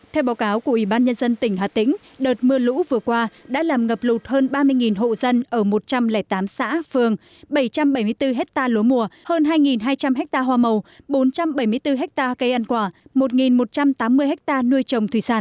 theo báo cáo của ủy ban nhân dân tỉnh hà tĩnh đợt mưa lũ vừa qua đã làm ngập lụt hơn ba mươi hộ dân ở một trăm linh tám xã phường bảy trăm bảy mươi bốn hectare lúa mùa hơn hai hai trăm linh ha hoa màu bốn trăm bảy mươi bốn ha cây ăn quả một một trăm tám mươi ha nuôi trồng thủy sản